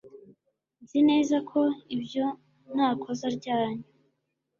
Nzi neza ko ibyo nta kosa ryanyu